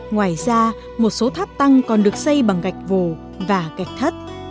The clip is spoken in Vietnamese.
ngoài ra một số tháp tăng còn được xây bằng gạch vồ và gạch thất